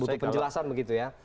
butuh penjelasan begitu ya